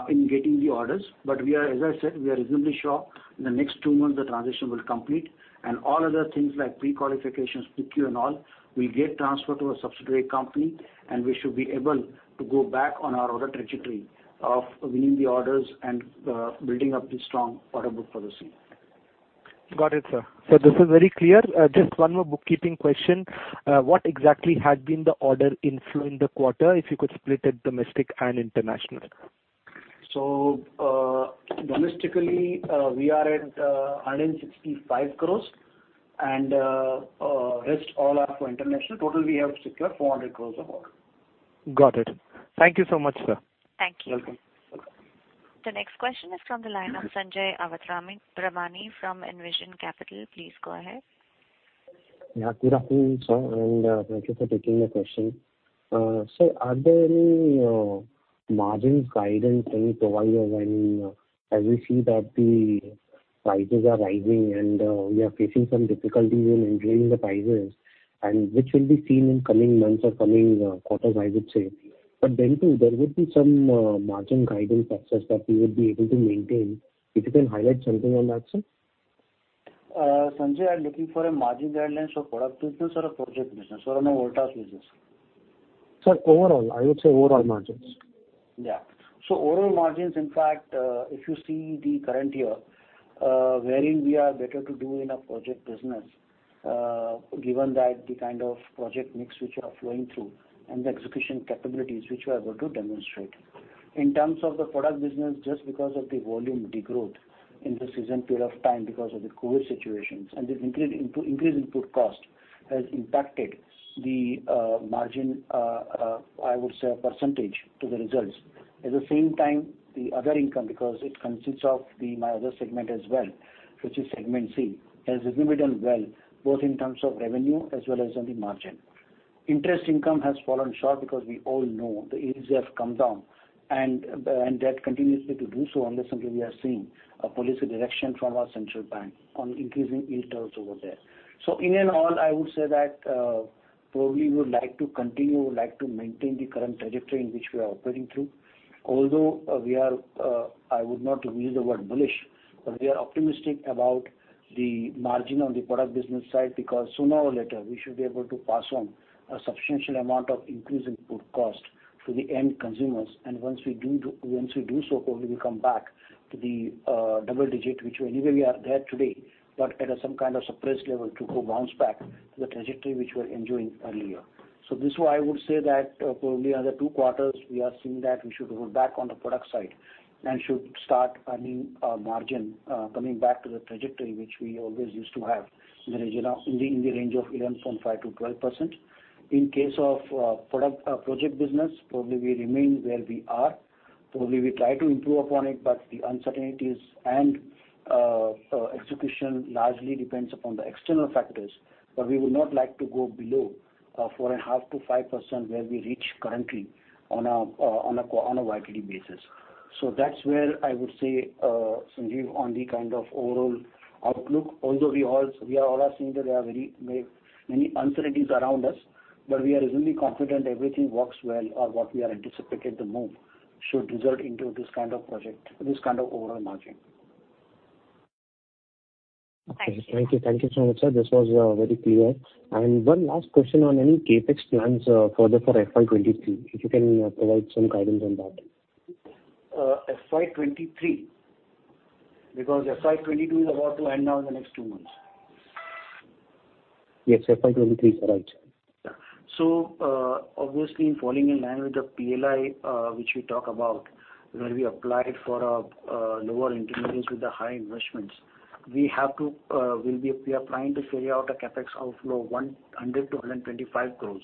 in getting the orders. We are, as I said, reasonably sure in the next two months the transition will complete, and all other things like prequalifications, PQ and all, will get transferred to a subsidiary company, and we should be able to go back on our order trajectory of winning the orders and building up the strong order book for the same. Got it, sir. This is very clear. Just one more bookkeeping question. What exactly had been the order inflow in the quarter, if you could split it domestic and international? Domestically, we are at 165 crores, and rest all are for international. Total we have secured 400 crores of order. Got it. Thank you so much, sir. Thank you. Welcome. The next question is from the line of Sanjay Ramani from Envision Capital. Please go ahead. Yeah, good afternoon, sir, and thank you for taking the question. Sir, are there any margins guidance? Can you provide us any, as we see that the prices are rising and we are facing some difficulties in increasing the prices and which will be seen in coming months or quarters, I would say. Then too, there would be some margin guidance success that we would be able to maintain. If you can highlight something on that, sir. Sanjay, are you looking for a margin guidance of product business or a project business or on a Voltas business? Sir, overall, I would say overall margins. Yeah. Overall margins, in fact, if you see the current year, wherein we are better to do in a project business, given that the kind of project mix which are flowing through and the execution capabilities which we are able to demonstrate. In terms of the product business, just because of the volume degrowth in the season period of time because of the COVID situations and this increased input cost has impacted the margin, I would say a percentage to the results. At the same time, the other income, because it consists of the other segment as well, which is segment C, has exhibited well, both in terms of revenue as well as on the margin. Interest income has fallen short because we all know the interest have come down and that continues to do so unless and until we are seeing a policy direction from our central bank on increasing interest over there. In and all, I would say that probably we would like to maintain the current trajectory in which we are operating through. Although we are, I would not use the word bullish, but we are optimistic about the margin on the product business side because sooner or later we should be able to pass on a substantial amount of increased input cost to the end consumers. Once we do so, probably we come back to the double digit, which anyway we are there today. At some kind of suppressed level to bounce back to the trajectory which we were enjoying earlier. This is why I would say that, probably another two quarters we are seeing that we should go back on the product side and should start earning, margin, coming back to the trajectory which we always used to have in the range of 11.5%-12%. In case of product project business, probably we remain where we are. Probably we try to improve upon it, but the uncertainties and execution largely depends upon the external factors. We would not like to go below 4.5%-5% where we reach currently on a YTD basis. That's where I would say, Sanjay, on the kind of overall outlook, although we are all seeing that there are very many uncertainties around us, but we are reasonably confident everything works well or what we are anticipated the move should result into this kind of project, this kind of overall margin. Okay. Thank you. Thank you. Thank you so much, sir. This was very clear. One last question on any CapEx plans further for FY 2023, if you can provide some guidance on that? FY 2023. Because FY 2022 is about to end now in the next two months. Yes, FY 2023. Sorry. Obviously in falling in line with the PLI, which you talk about, where we applied for a lower interest with the high investments, we are planning to carry out a CapEx outflow 100 crore-125 crore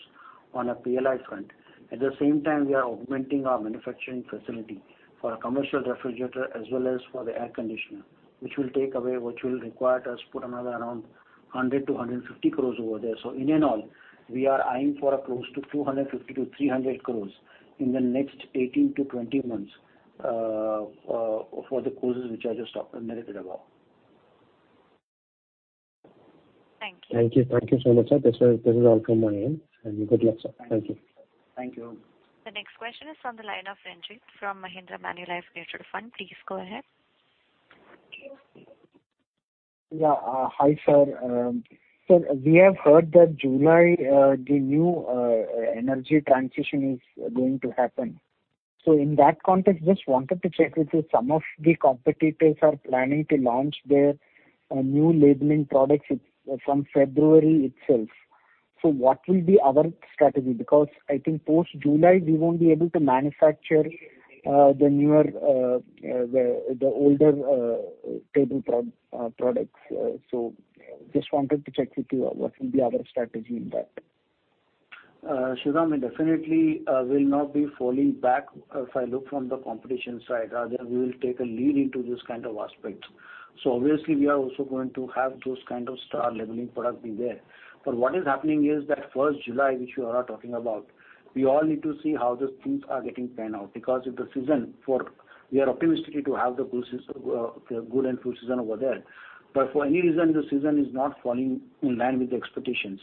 on a PLI front. At the same time, we are augmenting our manufacturing facility for a commercial refrigerator as well as for the air conditioner, which will require us put another around 100 crore-150 crore over there. In all, we are eyeing for close to 250 crore-300 crore in the next 18-20 months for the causes which I just talked and narrated about. Thank you. Thank you. Thank you so much, sir. This is all from my end. Good luck, sir. Thank you. Thank you. The next question is from the line of Renjith from Mahindra Manulife Mutual Fund. Please go ahead. Hi, sir. Sir, we have heard that in July the new energy transition is going to happen. In that context, just wanted to check with you, some of the competitors are planning to launch their new labeling products. It's from February itself. What will be our strategy? Because I think post-July, we won't be able to manufacture the older top-load products. Just wanted to check with you what will be our strategy in that. Sivaram, we definitely will not be falling back if I look from the competition side. Rather, we will take a lead into this kind of aspect. Obviously we are also going to have those kind of star labeling product be there. But what is happening is that 1st July, which you are talking about, we all need to see how those things are getting panned out. Because if the season, we are optimistically to have the good and full season over there. But for any reason, the season is not falling in line with the expectations,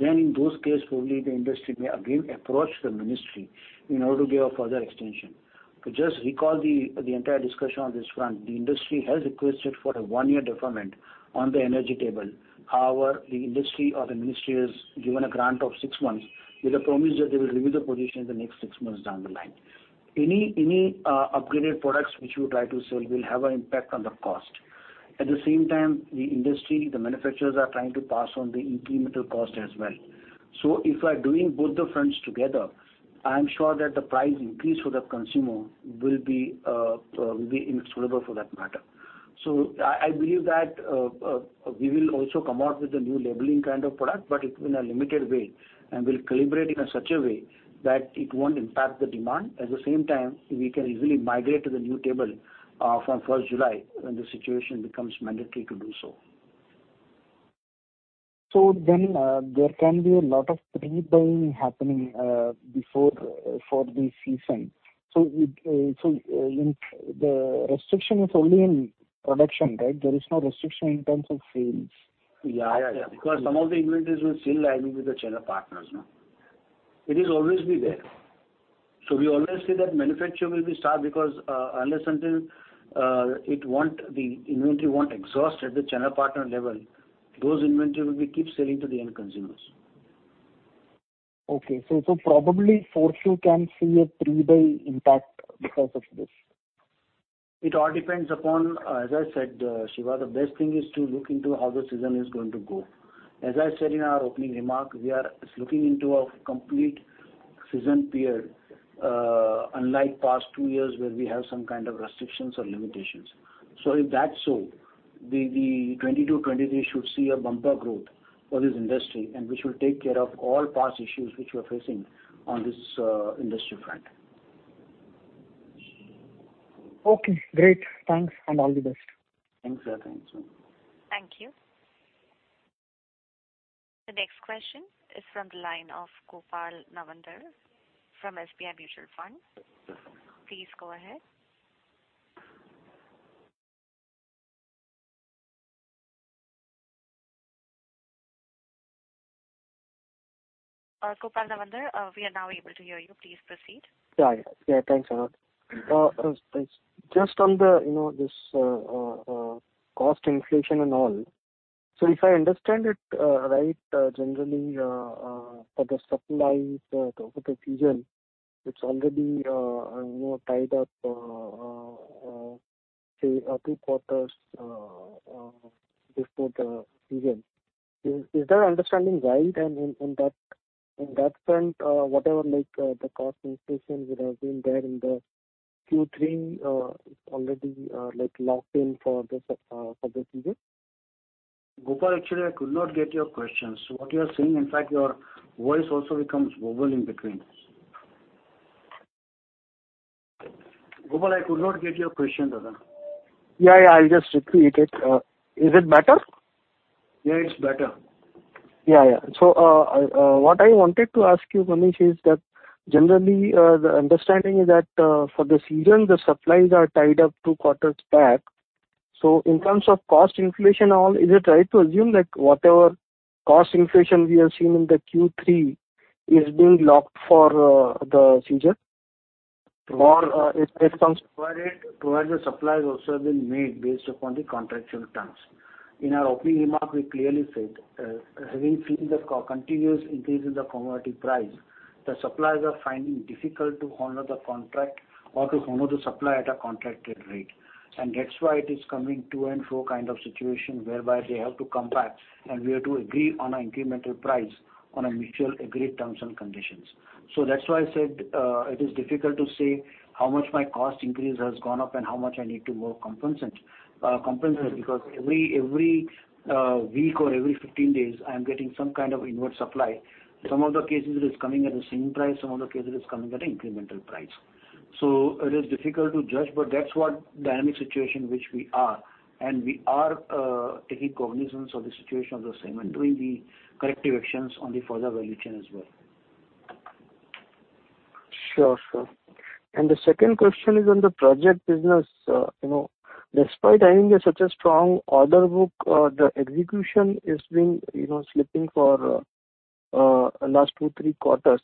then in those cases, probably the industry may again approach the ministry in order to give a further extension. To just recall the entire discussion on this front, the industry has requested for a one-year deferment on the energy label. However, the industry or the ministry has given a grant of six months with a promise that they will review the position in the next six months down the line. Any upgraded products which you try to sell will have an impact on the cost. At the same time, the industry, the manufacturers are trying to pass on the incremental cost as well. If you are doing both the fronts together, I am sure that the price increase for the consumer will be inexorable for that matter. I believe that we will also come out with a new labeling kind of product, but it will in a limited way, and we'll calibrate in such a way that it won't impact the demand. At the same time, we can easily migrate to the new table, from 1st July when the situation becomes mandatory to do so. There can be a lot of pre-buying happening before the season. The restriction is only in production, right? There is no restriction in terms of sales. Yeah. Because some of the inventories will still lie with the channel partners, no? It is always be there. We always say that manufacturer will be starved because unless and until the inventory won't exhaust at the channel partner level, those inventory will be keep selling to the end consumers. Probably Q4 can see a pre-buy impact because of this. It all depends upon, as I said, Sivaram, the best thing is to look into how the season is going to go. As I said in our opening remark, we are looking into a complete season period, unlike past two years where we have some kind of restrictions or limitations. If that's so, the 2022-2023 should see a bumper growth for this industry, and which will take care of all past issues which we're facing on this, industry front. Okay, great. Thanks, and all the best. Thanks, sir. Thanks. Thank you. The next question is from the line of Gopal Nawandhar from SBI Mutual Fund. Please go ahead. Gopal Nawandhar, we are now able to hear you. Please proceed. Yeah. Thanks a lot. Just on the, you know, this cost inflation and all. If I understand it right, generally, for the supplies, for the season, it's already, you know, tied up, say, two quarters before the season. Is that understanding right? That, in that front, whatever, like, the cost inflation which has been there in the Q3, is already, like, locked in for the season? Gopal, actually I could not get your question. What you are saying, in fact, your voice also becomes wobbly in between. Gopal, I could not get your question rather. Yeah, yeah. I'll just repeat it. Is it better? Yeah, it's better. Yeah. What I wanted to ask you, Manish, is that generally, the understanding is that, for the season, the supplies are tied up two quarters back. In terms of cost inflation and all, is it right to assume that whatever cost inflation we have seen in the Q3 is being locked for, the season? Or, if there's some- Provided supply has also been made based upon the contractual terms. In our opening remark, we clearly said, having seen the continuous increase in the commodity price, the suppliers are finding difficult to honor the contract or to honor the supply at a contracted rate. That's why it is coming to and fro kind of situation whereby they have to come back and we have to agree on an incremental price on a mutual agreed terms and conditions. That's why I said, it is difficult to say how much my cost increase has gone up and how much I need to more compensate. Because every week or every 15 days, I am getting some kind of inward supply. Some of the cases it is coming at the same price, some of the cases it is coming at an incremental price. It is difficult to judge, but that's what dynamic situation which we are. We are taking cognizance of the situation on the same and doing the corrective actions on the further value chain as well. Sure, sure. The second question is on the project business. Despite having such a strong order book, the execution is being slipping for last two, three quarters.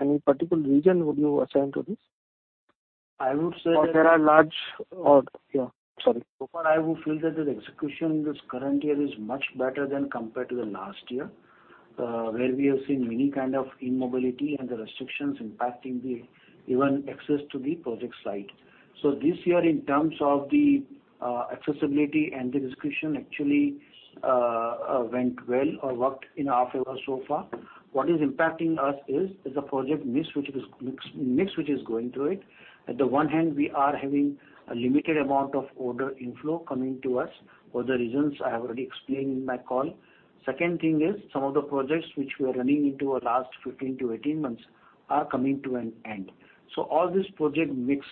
Any particular reason would you assign to this? I would say that. Yeah, sorry. So far I would feel that the execution this current year is much better than compared to the last year, where we have seen many kind of immobility and the restrictions impacting the even access to the project site. This year in terms of the accessibility and the execution actually went well or worked in our favor so far. What is impacting us is the project mix which is going through it. On the one hand we are having a limited amount of order inflow coming to us, for the reasons I have already explained in my call. Second thing is, some of the projects which we are running in the last 15-18 months are coming to an end. All this project mix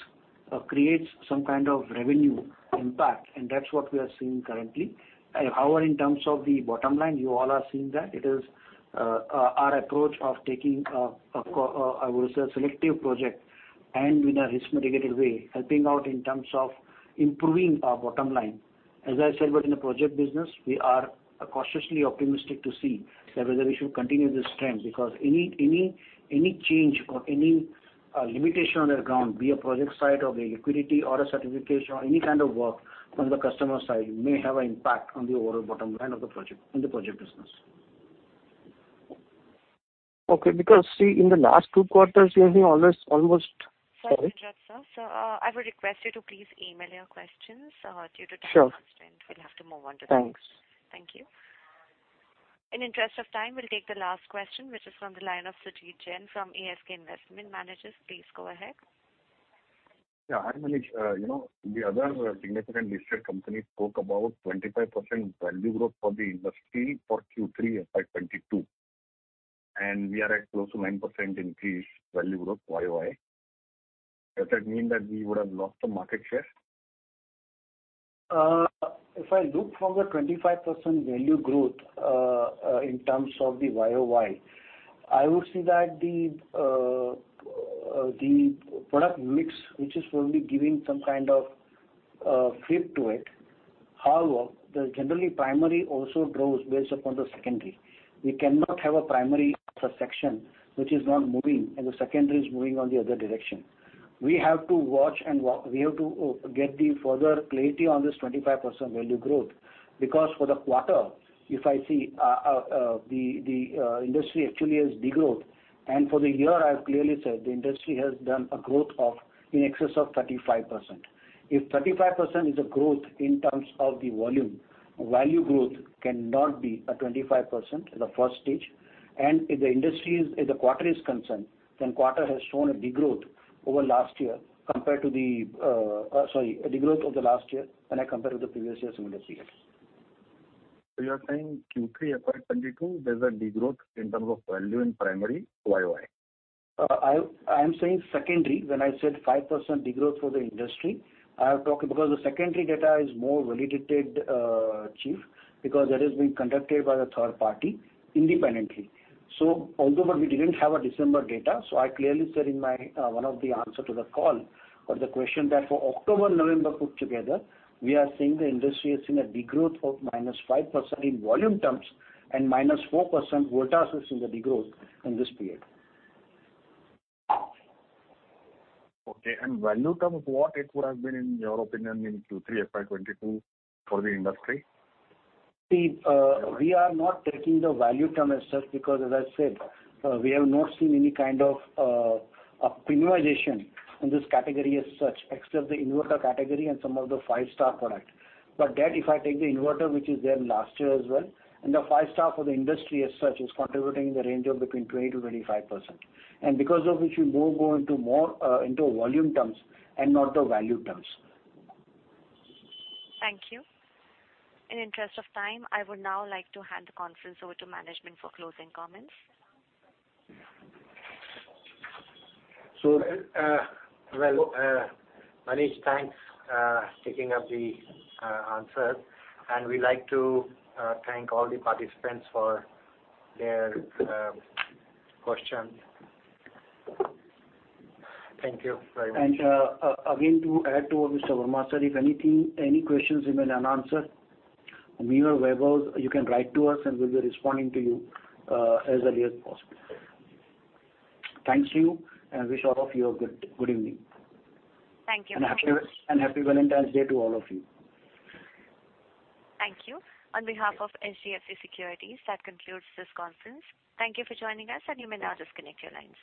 creates some kind of revenue impact, and that's what we are seeing currently. However in terms of the bottom line, you all are seeing that it is our approach of taking a selective project and in a risk mitigated way, helping out in terms of improving our bottom line. As I said, we're in a project business. We are cautiously optimistic to see that whether we should continue this trend because any change or any limitation on the ground, be a project site or a liquidity or a certification or any kind of work from the customer side may have an impact on the overall bottom line of the project, in the project business. Okay, because see, in the last two quarters we have been almost. Sorry to interrupt, sir. I would request you to please email your questions due to time constraint. Sure. We'll have to move on to the next. Thanks. Thank you. In interest of time, we'll take the last question, which is from the line of Sujit Jain from ASK Investment Managers. Please go ahead. Yeah. Hi, Manish. You know, the other significant listed companies spoke about 25% value growth for the industry for Q3 FY 2022, and we are at close to 9% increase in value growth YoY. Does that mean that we would have lost the market share? If I look from the 25% value growth in terms of the YoY, I would say that the product mix, which is only giving some kind of flip to it. However, the generally primary also grows based upon the secondary. We cannot have a primary per section which is not moving and the secondary is moving on the other direction. We have to get the further clarity on this 25% value growth because for the quarter, if I see, the industry actually has degrowth and for the year I've clearly said the industry has done a growth of in excess of 35%. If 35% is a growth in terms of the volume, value growth cannot be at 25% at the first stage. If the quarter is concerned, the quarter has shown a degrowth over last year when I compare to the previous years in this year. You are saying Q3 FY 2022, there's a degrowth in terms of value in primary YoY? I am saying secondary when I said 5% degrowth for the industry. I have talked because the secondary data is more validated, chiefly because that is being conducted by the third party independently. Although we didn't have a December data, I clearly said in one of the answers to the call or the question that for October, November put together, we are seeing the industry is in a degrowth of minus 5% in volume terms and minus 4% Voltas is in the degrowth in this period. Okay. Value term, what it would have been in your opinion in Q3 FY 2022 for the industry? See, we are not taking the value term as such because as I said, we have not seen any kind of premiumization in this category as such, except the inverter category and some of the five-star products. That if I take the inverter which is there last year as well, and the five-star for the industry as such is contributing in the range of between 20-25%. Because of which we both go into more, into volume terms and not the value terms. Thank you. In the interest of time, I would now like to hand the conference over to management for closing comments. Well, Manish, thanks for taking up the answers and we like to thank all the participants for their questions. Thank you very much. To add to what Mr. Verma said, if any questions remain unanswered, email, web or you can write to us and we'll be responding to you as early as possible. Thanks to you, and wish all of you a good evening. Thank you. Happy Valentine's Day to all of you. Thank you. On behalf of HDFC Securities, that concludes this conference. Thank you for joining us, and you may now disconnect your lines.